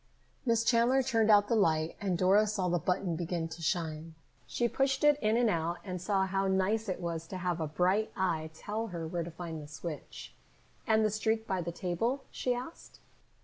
'" Miss Chandler turned out the light and Dora saw the button begin to shine. She pushed it in and out and saw how nice it was to have a bright eye to tell her where to find the switch. "And the streak by the table?" she asked.